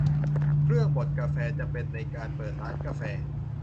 เครื่องบดกาแฟ จำเป็นในการเปิดร้านกาแฟ